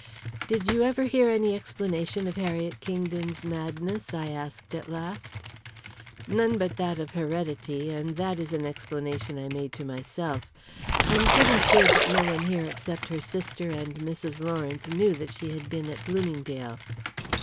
"Did you ever hear any explanation of Harriet Kingdon's madness?" I asked at last. "None but that of heredity and that is an explanation I made to myself. I'm pretty sure that no one here except her sister and Mrs. Lawrence knew that she had been at Bloomingdale."